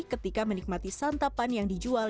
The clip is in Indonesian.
ketika menikmati santapan yang dijual